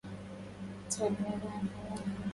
تُ لقد بان فضلُه لا خَفَاءَ